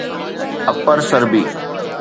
upper سربي